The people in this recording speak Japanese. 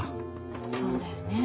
そうだよね。